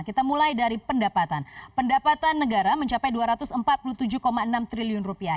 kita mulai dari pendapatan pendapatan negara mencapai dua ratus empat puluh tujuh enam triliun rupiah